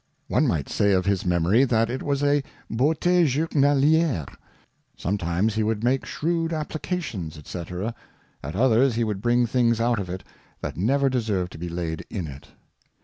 One might say of his Memory, that it was a Beaute Journaliere ; Sometimes he would make shrewd Applications, c^c. at others he would bring things out of it, that never deserved to be laid in it.